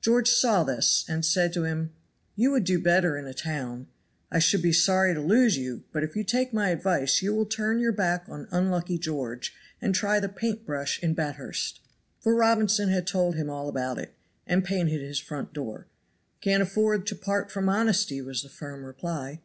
George saw this, and said to him: "You would do better in a town. I should be sorry to lose you, but if you take my advice you will turn your back on unlucky George, and try the paint brush in Bathurst." For Robinson had told him all about it and painted his front door. "Can't afford to part from Honesty," was the firm reply.